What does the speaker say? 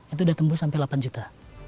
itu sudah tembus sampai delapan juta